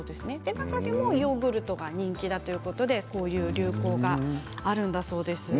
中でもヨーグルトが人気だということでこういう流行があるんだそうです。